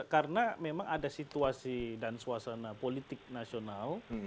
karena memang ada situasi dan suasana politik nasional